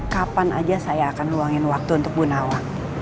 kapan aja saya akan luangin waktu untuk bu nawa